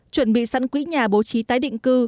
chuẩn bị sẵn quỹ nhà bố trí tái định cư